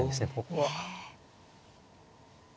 ここは。